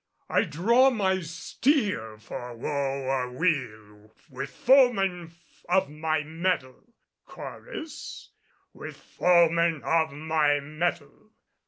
I draw my steel For woe or weal With foemen of my mettle Chorus: With foemen of my mettle!